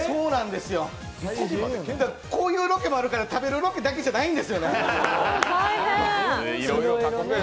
こういうロケもあるから食べるロケだけじゃないんですよね。